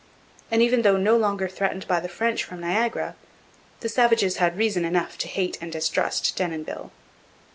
And, even though no longer threatened by the French from Niagara, the savages had reason enough to hate and distrust Denonville.